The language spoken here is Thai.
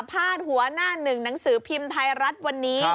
หัวหน้าหนึ่งหนังสือพิมพ์ไทยรัฐวันนี้